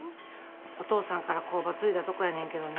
お父さんから工場継いだとこやねんけどな。